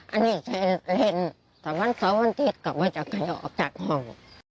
อันนี้เล่น๓๔วันติดกลับไปไปกันออกจากห้อง